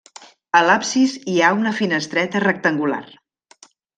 A l'absis hi ha una finestreta rectangular.